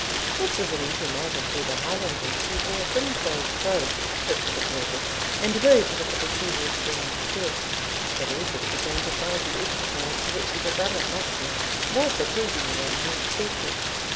This was an easy matter to the Highlanders, who wore thin soled brogues fit for the purpose, and moved with a peculiar springing step; but Edward began to find the exercise, to which he was unaccustomed, more fatiguing than he expected.